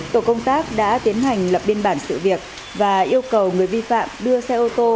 tổ công tác đã tiến hành lập biên bản sự việc và yêu cầu người vi phạm đưa xe ô tô